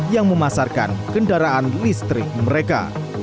yang memasarkan kendaraan listrik mereka